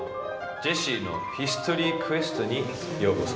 ジェシーのヒストリークエストにようこそ。